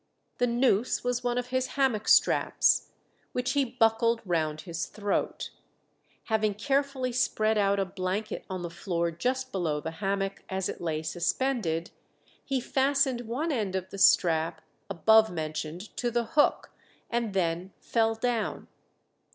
The noose was one of his hammock straps, which he buckled round his throat. Having carefully spread out a blanket on the floor just below the hammock as it lay suspended, he fastened one end of the strap above mentioned to the hook, and then fell down.